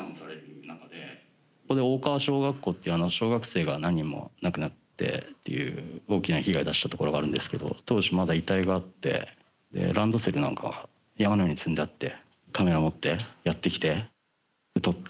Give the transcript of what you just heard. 大川小学校って小学生が何人も亡くなってっていう大きな被害出したところがあるんですけど当時、まだ遺体があってランドセルなんか山のように積んであって。